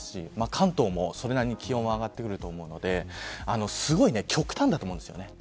関東もそれなりに気温は上がってくると思うのですごい極端だと思うんですよね。